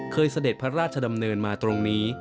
เสด็จพระราชดำเนินมาตรงนี้